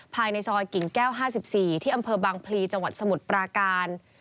ภายในซอยกิ่งแก้ว๕๔ที่อำเภอบางพลีจังหวัดสมุทรปราการ